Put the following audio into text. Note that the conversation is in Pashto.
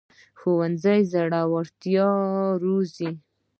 ښوونځی زړورتیا روزي